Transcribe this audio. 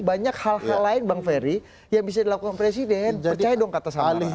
banyak hal hal lain bang ferry yang bisa dilakukan presiden percaya dong kata samari